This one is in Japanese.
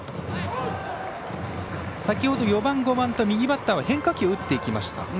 先ほど４番５番と右バッターは変化球を打っていきました。